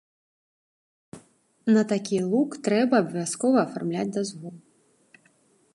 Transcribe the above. На такі лук трэба абавязкова афармляць дазвол.